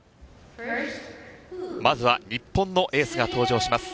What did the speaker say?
まずは日本のエースが登場します。